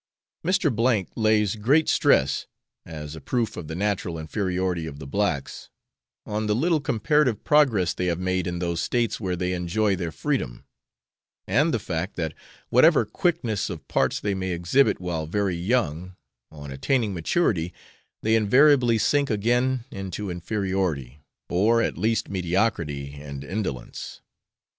Mr. lays great stress, as a proof of the natural inferiority of the blacks, on the little comparative progress they have made in those States where they enjoy their freedom, and the fact that, whatever quickness of parts they may exhibit while very young, on attaining maturity they invariably sink again into inferiority, or at least mediocrity, and indolence.